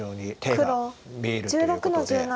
黒１６の十七。